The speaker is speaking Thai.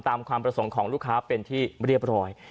ความประสงค์ของลูกค้าเป็นที่เรียบร้อย